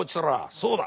そうだ。